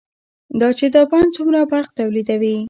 دا چې دا بند څومره برق تولیدوي،